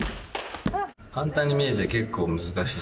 簡単に見えて結構難しい。